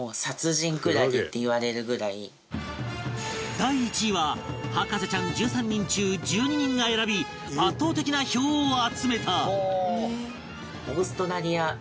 第１位は博士ちゃん１３人中１２人が選び圧倒的な票を集めた